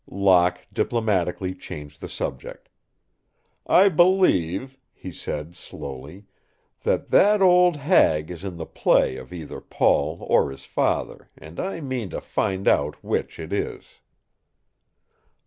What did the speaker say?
Locke diplomatically changed the subject. "I believe," he said, slowly, "that that old hag is in the pay of either Paul or his father, and I mean to find out which it is."